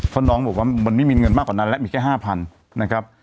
เพราะน้องบอกว่ามันไม่มีเงินมากกว่านั้นแล้วมีแค่๕๐๐นะครับ